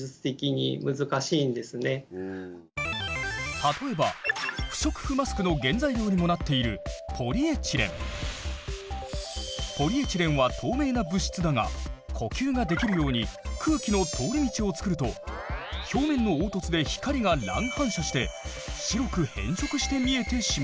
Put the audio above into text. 例えば不織布マスクの原材料にもなっているポリエチレンは透明な物質だが呼吸ができるように空気の通り道を作ると表面の凹凸で光が乱反射して白く変色して見えてしまう。